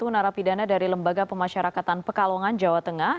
tiga ratus tiga puluh satu narapidana dari lembaga pemasyarakatan pekalongan jawa tengah